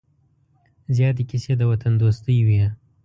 زیاتې کیسې د وطن دوستۍ وې.